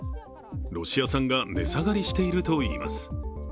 ロシア産が値下がりしているといいます。